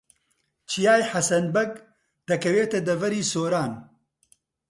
چیای حەسەن بەگ دەکەوێتە دەڤەری سۆران.